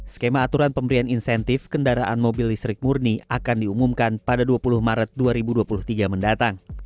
skema aturan pemberian insentif kendaraan mobil listrik murni akan diumumkan pada dua puluh maret dua ribu dua puluh tiga mendatang